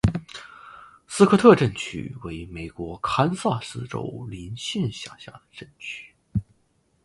斯科特镇区为美国堪萨斯州林县辖下的镇区。